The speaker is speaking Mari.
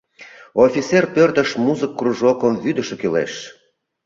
— Офицер пӧртыш музык кружокым вӱдышӧ кӱлеш.